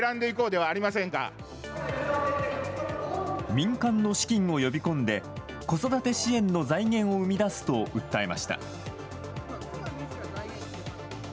民間の資金を呼び込んで子育て支援の財源を生み出すと訴えました。